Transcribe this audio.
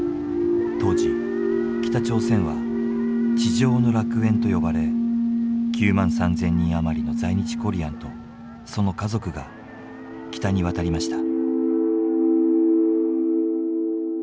当時北朝鮮は「地上の楽園」と呼ばれ９万３，０００人余りの在日コリアンとその家族が北に渡りました。